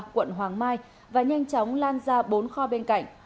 quận hoàng mai và nhanh chóng lan ra bốn kho bên cạnh